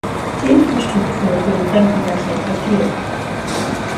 Die Infrastruktur für den Fremdenverkehr verfiel.